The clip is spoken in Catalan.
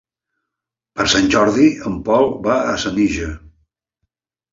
Per Sant Jordi en Pol va a Senija.